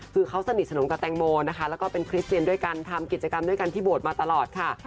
คือเขาสนิทสนมกับแตงโมนะคะแล้วก็เป็นคริสเตียนด้วยกันทำกิจกรรมด้วยกันที่โบสถมาตลอดค่ะ